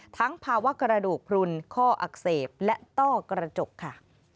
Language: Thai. ภาวะกระดูกพลุนข้ออักเสบและต้อกระจกค่ะ